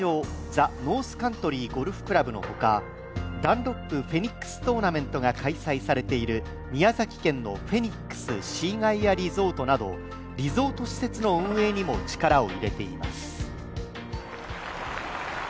ザ・ノースカントリーゴルフクラブのほかダンロップフェニックストーナメントが開催されている宮崎県のフェニックス・シーガイア・リゾートなどリゾート施設の運営にも力を入れています。